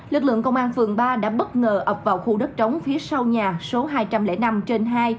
lực lượng công an phường ba đã bất ngờ ập vào khu đất trống phía sau nhà số hai trăm linh năm trên hai